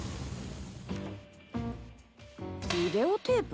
ビデオテープ？